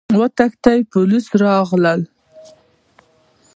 وتښتئ! پوليس راغلل!